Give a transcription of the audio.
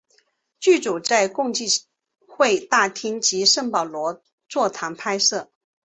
剧组在共济会大厅及圣保罗座堂拍摄。